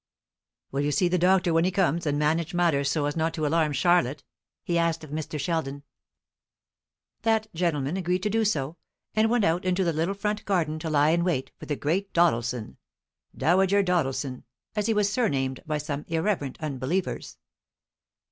"Will you see the doctor when he comes, and manage matters so as not to alarm Charlotte?" he asked of Mr. Sheldon. That gentleman agreed to do so, and went out into the little front garden to lie in wait for the great Doddleson "Dowager Doddleson" as he was surnamed by some irreverent unbelievers.